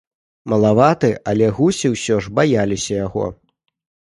Малаваты, але гусі ўсё ж баяліся яго.